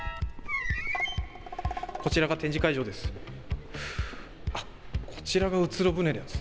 こちらが展示会場です。